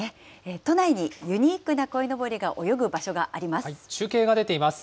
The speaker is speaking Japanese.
都内にユニークなこいのぼりが泳中継が出ています。